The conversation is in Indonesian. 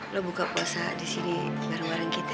lo buka puasa disini bareng bareng kita